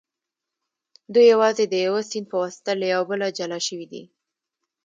دوی یوازې د یوه سیند په واسطه له یو بله جلا شوي دي